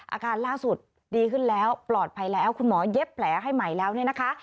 อาการล่าสุดดีขึ้นแล้วปลอดภัยแล้วคุณหมอเย็บแผลให้ใหม่แล้วเนี่ยนะคะ